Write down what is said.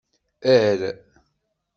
Err.